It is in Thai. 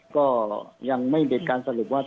ก็ยังไม่มีการสรุปว่า